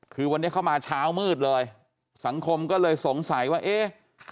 คือวันนี้เข้ามาเช้ามืดเลยสังคมก็เลยสงสัยว่าเอ๊ะ